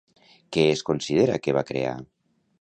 Què es considera que va crear?